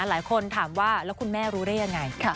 หลายคนถามว่าแล้วคุณแม่รู้ได้ยังไง